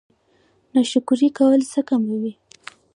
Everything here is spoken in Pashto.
ناشکري کول څه کموي؟